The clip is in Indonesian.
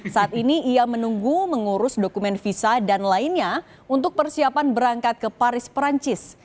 saat ini ia menunggu mengurus dokumen visa dan lainnya untuk persiapan berangkat ke paris perancis